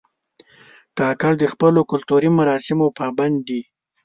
کاکړ د خپلو کلتوري مراسمو پابند دي.